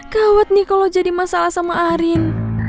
gawat nih kalo jadi masalah sama arin